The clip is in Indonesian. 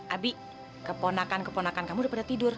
abi keponakan keponakan kamu udah pada tidur